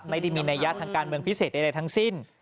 ไม่ได้มีนัยยะทางการเมืองพิเศษใดทั้งสิ้น